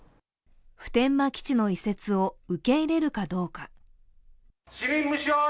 普天間基地の移設を受け入れるかどうか。